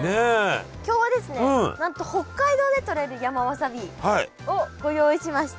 今日はですねなんと北海道でとれる山わさびをご用意しました。